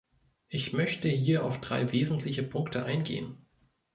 Ich möchte hier auf drei wesentliche Punkte eingehen.